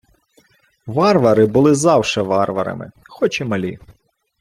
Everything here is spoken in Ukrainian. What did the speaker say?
— Варвари були завше варварами, хоч і малі.